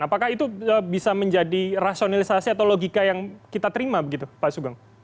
apakah itu bisa menjadi rasionalisasi atau logika yang kita terima begitu pak sugeng